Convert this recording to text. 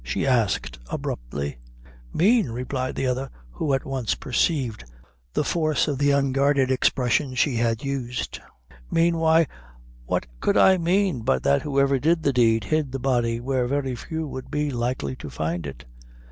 she asked abruptly. "Mane!" replied the other, who at once perceived the force of the unguarded expression she had used; "mane, why what could I mane, but that whoever did the deed, hid the body where very few would be likely to find it."